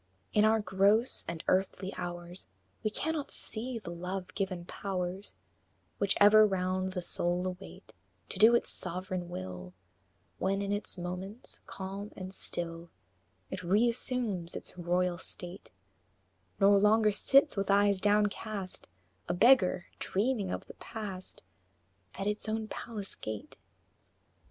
In our gross and earthly hours We cannot see the Love given powers Which ever round the soul await To do its sovereign will, When, in its moments calm and still, It re assumes its royal state, Nor longer sits with eyes downcast, A beggar, dreaming of the past, At its own palace gate.